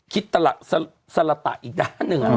คิดตลับสระตะอีกด้านหนึ่งอ่ะ